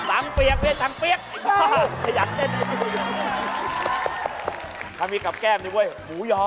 อะไรกะตังค์เปี๊ยบ